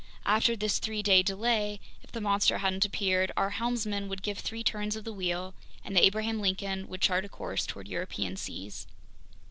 After this three day delay, if the monster hadn't appeared, our helmsman would give three turns of the wheel, and the Abraham Lincoln would chart a course toward European seas.